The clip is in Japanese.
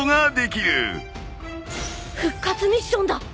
復活ミッションだ！